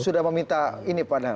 sudah meminta ini padahal